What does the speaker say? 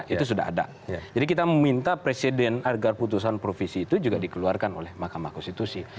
itu sudah ada jadi kita meminta presiden agar putusan provisi itu juga dikeluarkan oleh mahkamah konstitusi